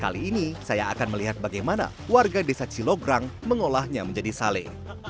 kali ini saya akan melihat bagaimana warga desa cilograng mengolahnya menjadi sale